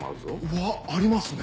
うわっありますね！